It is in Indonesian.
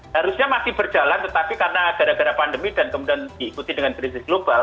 harusnya masih berjalan tetapi karena gara gara pandemi dan kemudian diikuti dengan krisis global